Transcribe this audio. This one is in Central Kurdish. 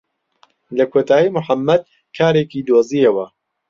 لە کۆتایی موحەممەد کارێکی دۆزییەوە.